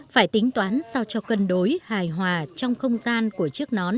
phải tính toán sao cho cân đối hài hòa trong không gian của chiếc nón